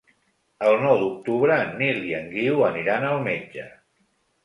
El nou d'octubre en Nil i en Guiu aniran al metge.